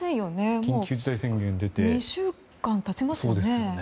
緊急事態宣言が出て２週間が経ちますよね。